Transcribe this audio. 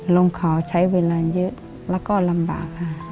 ลงขอใช้เวลาเยอะแล้วก็ลำบากค่ะ